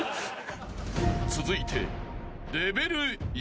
［続いて］